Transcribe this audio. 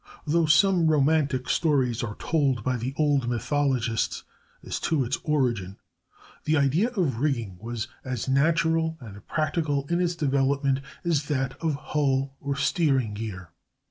Though some romantic stories are told by the old mythologists as to its origin, the idea of rigging was as natural and practical in its development as that of hull or steering gear.